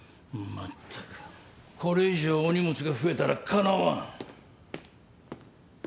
まったくこれ以上お荷物が増えたらかなわん。